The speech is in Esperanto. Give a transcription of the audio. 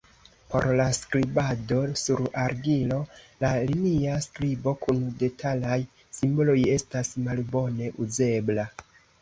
Por la skribado sur argilo, la linia skribo kun detalaj simboloj estas malbone uzebla.